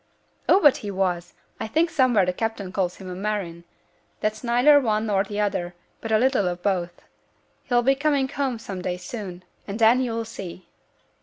'Oh! but he was. I think somewhere the captain calls him a marine; that's neither one nor the other, but a little of both. He'll be coming home some day soon; and then you'll see!'